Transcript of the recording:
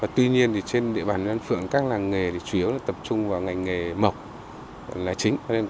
tuy nhiên trên địa bàn đan phượng các làng nghề chủ yếu tập trung vào ngành nghề mộc là chính